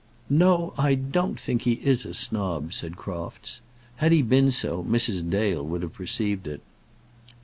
"No; I don't think he is a snob," said Crofts. "Had he been so, Mrs. Dale would have perceived it."